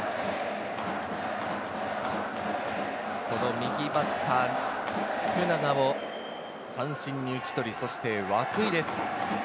右バッター・福永を三振に打ち取り、そして涌井です。